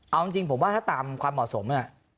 เอาจริงผมว่าถ้าตามความเหมาะสม